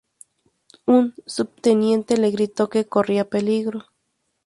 Un subteniente le gritó que corría peligro.